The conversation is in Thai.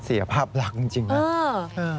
เสียภาพลักษณ์จริงนะ